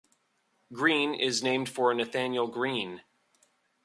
Greene is named for Nathanael Greene.